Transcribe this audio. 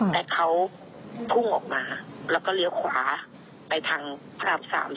แต่เขาพุ่งออกมาแล้วก็เลี้ยวขวาไปทางพระราม๓